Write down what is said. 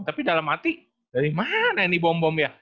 tapi dalam arti dari mana ini bom bom ya